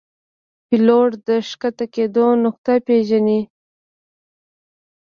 پیلوټ د ښکته کېدو نقطه پیژني.